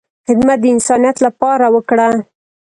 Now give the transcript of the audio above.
خدمت د انسانیت لپاره وکړه،